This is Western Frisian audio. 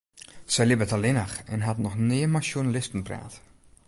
Sy libbet allinnich en hat noch nea mei sjoernalisten praat.